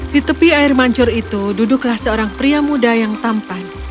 di tepi air mancur itu duduklah seorang pria muda yang tampan